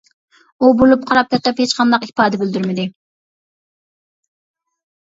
ئۇ بۇرۇلۇپ قاراپ بېقىپ ھېچقانداق ئىپادە بىلدۈرمىدى.